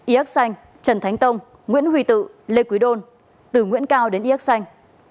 yác xanh trần thánh tông nguyễn huy tự lê quý đôn từ nguyễn cao đến yác xanh